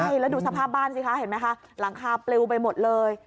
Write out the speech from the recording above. ใช่แล้วดูสภาพบ้านสิคะเห็นไหมคะหลังคาปลิวไปหมดเลย